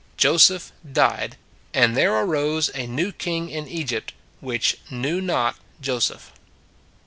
Joseph died. " And there arose a new king in Egypt, which knew not Joseph."